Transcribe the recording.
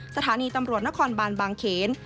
สถานีตำรวจนครบานบางเขน